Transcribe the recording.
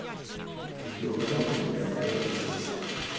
きょうはお時間を取っていただいてありがとうございます。